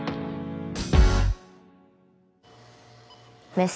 メス。